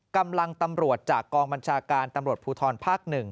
ตำรวจจากกองบัญชาการตำรวจภูทรภาค๑